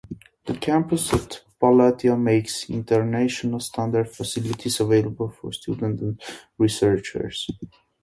The campus at Patiala makes international standard facilities available for students and researchers.